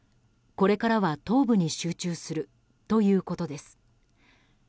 これからは東部に集中するということです。